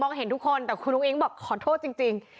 เห็นทุกคนแต่คุณอุ้งบอกขอโทษจริง